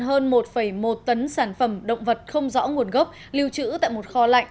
hơn một một tấn sản phẩm động vật không rõ nguồn gốc lưu trữ tại một kho lạnh